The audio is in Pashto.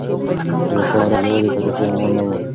د لیکوال هدف یوازې د تاریخ بیانول نه و.